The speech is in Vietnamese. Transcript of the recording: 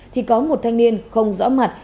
thì có một thanh niên không rõ mặt